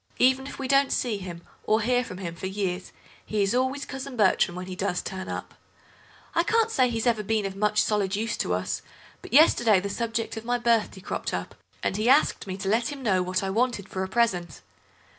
Even if we don't see him or hear from him for years he is always Cousin Bertram when he does turn up. I can't say he's ever been of much solid use to us, but yesterday the subject of my birthday cropped up, and he asked me to let him know what I wanted for a present."